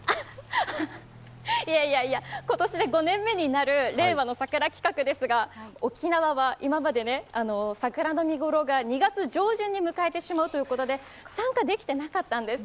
いやいや、今年で５年目になる「令和のサクラ」企画ですが沖縄は今まで、桜の見頃が２月上旬に迎えてしまうということで参加できなかったんです。